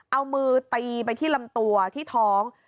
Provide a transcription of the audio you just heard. เอามือตีไปที่ลำตัวที่ท้อง